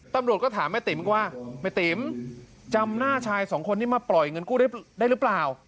ตำรวจก็ถามแม่ติ๋มว่าแม่ติ๋มจำหน้าชายสองคนที่มาปล่อยเงินกู้ได้หรือเปล่า